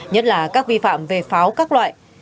nhất là các vi phạm về pháo các loại